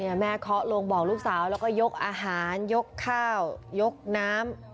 แม่เคาะลงบอกลูกสาวแล้วก็ยกอาหารยกข้าวยกน้ำ